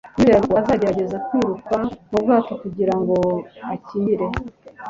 Yizeraga ko azagerageza kwiruka mu bwato kugira ngo akingire